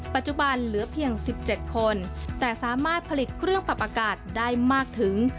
ปัจจุบันเหลือเพียง๑๗คนแต่สามารถผลิตเครื่องปรับอากาศได้มากถึง